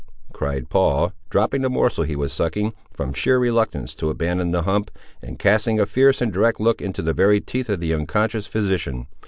cried Paul, dropping the morsel he was sucking, from sheer reluctance to abandon the hump, and casting a fierce and direct look into the very teeth of the unconscious physician.